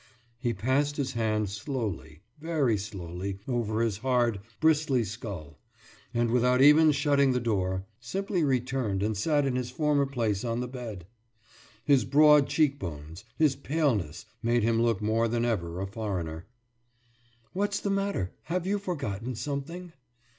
He passed his hand slowly, very slowly, over his hard, bristly skull, and, without even shutting the door, simply returned and sat in his former place on the bed. His broad cheekbones, his paleness, made him look more than ever a foreigner. »What's the matter? Have you forgotten something?